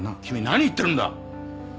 君何言ってるんだ！